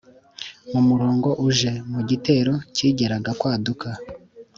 mu murongo uje: mu gitero kigeraga kwaduka